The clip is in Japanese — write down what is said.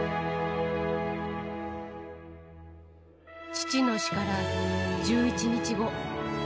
父の死から１１日後。